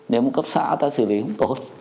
nếu một cấp xã ta xử lý không tốt